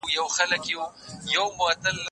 زه به ليک لوستی وي!.